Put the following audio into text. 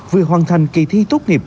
vừa hoàn thành kỳ thi tốt nghiệp